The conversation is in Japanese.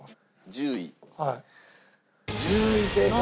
１０位正解。